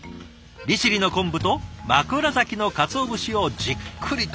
利尻の昆布と枕崎のかつお節をじっくりと。